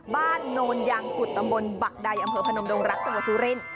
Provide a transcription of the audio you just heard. โนนยางกุฎตำบลบักใดอำเภอพนมดงรักจังหวัดสุรินทร์